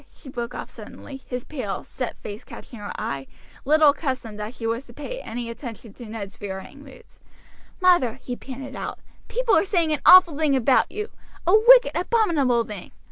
she broke off suddenly, his pale, set face catching her eye, little accustomed as she was to pay any attention to Ned's varying moods. "Mother," he panted out, "people are saying an awful thing about you, a wicked, abominable thing.